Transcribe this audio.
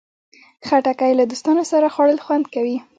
خټکی له دوستانو سره خوړل خوند کوي.